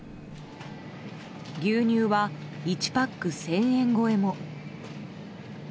牛乳は１パック１０００円超えも。